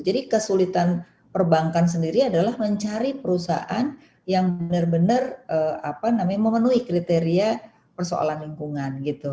jadi kesulitan perbankan sendiri adalah mencari perusahaan yang benar benar apa namanya memenuhi kriteria persoalan lingkungan gitu